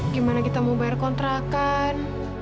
gimana kita mau bayar kontrakan